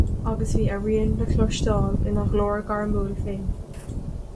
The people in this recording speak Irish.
Agus bhí a rian le cloisteáil ina ghlór gairmiúil féin.